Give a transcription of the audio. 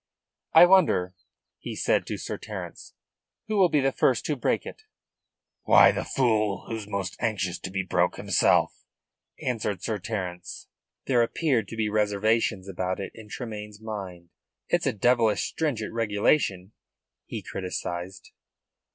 "I wonder," he said to Sir Terence, "who will be the first to break it?" "Why, the fool who's most anxious to be broke himself," answered Sir Terence. There appeared to be reservations about it in Tremayne's mind. "It's a devilish stringent regulation," he criticised.